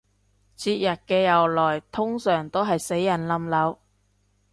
節日嘅由來通常都係死人冧樓